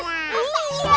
nanti cari aku dulu ya